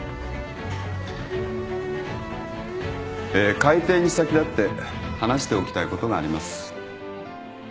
開廷に先立って話しておきたいことがあります。